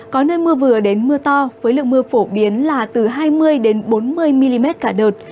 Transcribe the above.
có nơi mưa vừa đến mưa to với lượng mưa phổ biến là từ hai mươi bốn mươi mm cả đợt